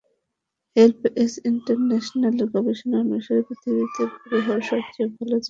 HelpAge ইন্টারন্যাশনালের গবেষণা অনুসারে, পৃথিবীতে বুড়ো হওয়ার সবচেয়ে ভালো জায়গা হচ্ছে নরওয়ে।